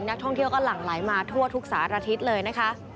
นักท่องเที่ยวก็หลั่งไหลมาทั่วทุกสารทิศเลยนะคะ